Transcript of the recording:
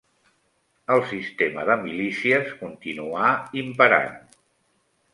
El sistema de milícies continuà imperant.